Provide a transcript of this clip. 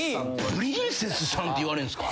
プリンセスさんって言われるんですか？